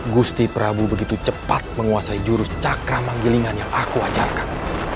gusti prabu begitu cepat menguasai jurus cakra manggilingan yang aku ajarkan